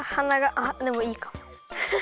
あっでもいいかも。